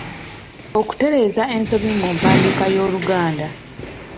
Okutereeza ensobi mu mpandiika y'Oluganda.